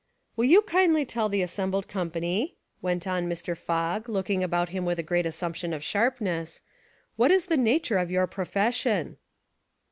"Will you kindly tell the assembled com pany," went on Mr. Fogg, looking about him with a great assumption of sharpness, "what is the nature of your profession?"